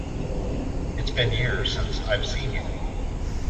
It's been years since I've seen you!